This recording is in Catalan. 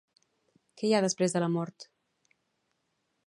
Què hi ha després de la mort?